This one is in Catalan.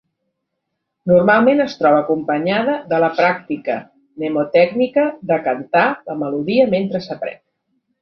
Normalment es troba acompanyada de la pràctica mnemotècnica de cantar la melodia mentre s'aprèn.